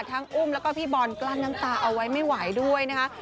อุ้มแล้วก็พี่บอลกลั้นน้ำตาเอาไว้ไม่ไหวด้วยนะคะ